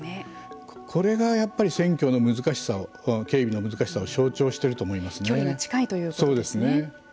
これがやっぱり選挙の難しさ警備の難しさを象徴していると距離が近いということですね。